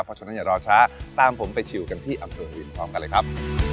เพราะฉะนั้นอย่ารอช้าตามผมไปชิวกันที่อำเภออื่นพร้อมกันเลยครับ